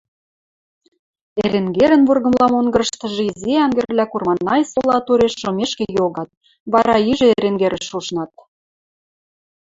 Эренгерӹн вургымла монгырыштыжы изи ӓнгӹрвлӓ Курманай сола туреш шомешкӹ йогат, вара ижӹ Эренгерӹш ушнат.